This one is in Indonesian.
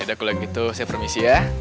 ya udah aku lagi tuh saya permisi ya